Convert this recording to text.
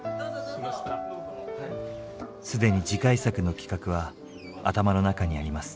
既に次回作の企画は頭の中にあります。